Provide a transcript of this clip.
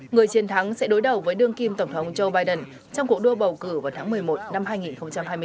người chiến thắng sẽ đối đầu với đương kim tổng thống joe biden trong cuộc đua bầu cử vào tháng một mươi một năm hai nghìn hai mươi bốn